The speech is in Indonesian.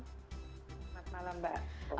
selamat malam mbak